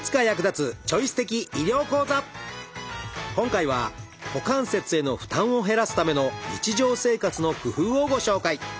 今回は股関節への負担を減らすための日常生活の工夫をご紹介！